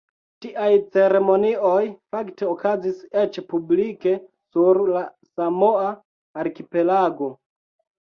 Tiaj ceremonioj fakte okazis eĉ publike sur la Samoa-arkipelago.